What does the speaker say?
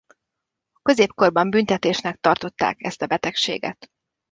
A középkorban büntetésnek tartották ezt a betegséget.